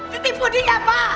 ditipu dia pak